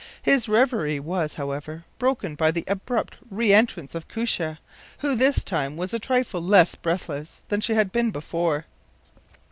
His reverie was, however, broken by the abrupt reentrance of Koosje, who this time was a trifle less breathless than she had been before.